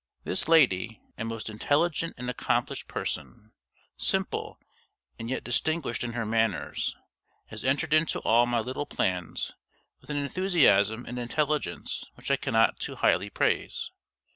This lady a most intelligent and accomplished person, simple, and yet distinguished in her manners, has entered into all my little plans with an enthusiasm and intelligence which I cannot too highly praise.